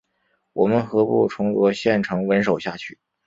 我们何不重夺县城稳守下去？